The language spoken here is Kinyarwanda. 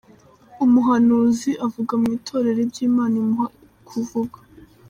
Umuhanuzi avuga mu Itorero ibyo Imana imuha ivuga.